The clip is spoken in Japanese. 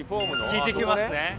聞いてきますね。